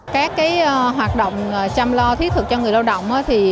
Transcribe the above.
các hoạt động chăm lo thiết thực cho người lao động